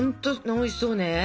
おいしそう！